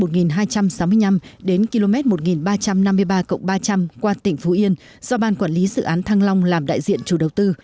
công trình mở rộng quốc lộ một đoạn km một ba trăm năm mươi năm đến km một ba trăm năm mươi năm qua tỉnh phú yên do ban quản lý dự án thăng long làm đại diện chủ đầu tư